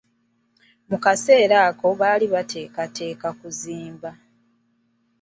Mu kaseera ako baali bateekateeka kuzimba.